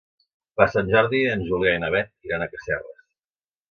Per Sant Jordi en Julià i na Beth iran a Casserres.